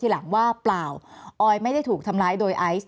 แอนตาซินเยลโรคกระเพาะอาหารท้องอืดจุกเสียดแสบร้อน